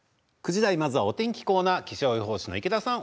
９時台、まずはお天気コーナー気象予報士の池田さん